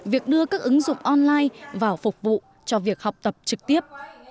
việc đưa các ứng dụng online vào phục vụ cho việc học tập trực tiếp